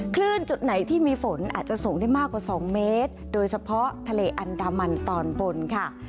จุดไหนที่มีฝนอาจจะสูงได้มากกว่า๒เมตรโดยเฉพาะทะเลอันดามันตอนบนค่ะ